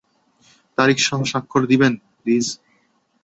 তারিখসহ স্বাক্ষর দিবেন, প্লিজ।